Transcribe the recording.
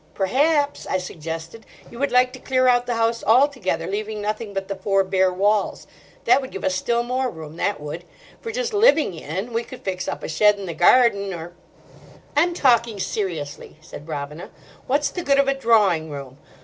"Perhaps," I suggested, "you would like to clear out the house altogether, leaving nothing but the four bare walls. That would give us still more room, that would. For just living in, we could fix up a shed in the garden; or—" "I'm talking seriously," said Robina: "what's the good of a drawing room?